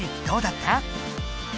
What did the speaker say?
どうだった？